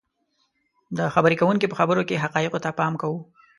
. د خبرې کوونکي په خبرو کې حقایقو ته پام کوو